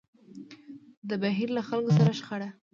د بهير له خلکو سره شخړه.